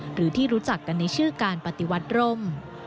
หรือที่รู้จักกันในชื่อการปฏิวัติร่ม